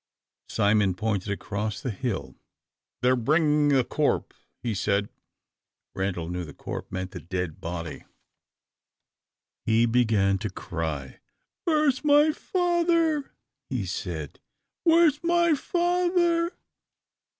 Simon pointed across the hill. "They are bringing the corp," he said. Randal knew the "corp" meant the dead body. He began to cry. "Where is my father?" he said, "where is my father?"